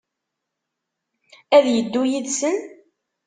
Ad yeddu yid-sen?